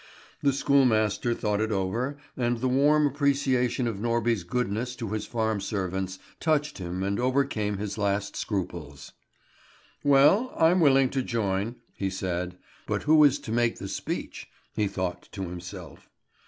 The schoolmaster thought it over, and the warm appreciation of Norby's goodness to his farm servants touched him and overcame his last scruples. "Well, I'm quite willing to join," he said. "But who is to make the speech?" he thought to himself.